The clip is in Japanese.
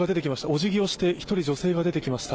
おじぎをして、１人女性が出てきました。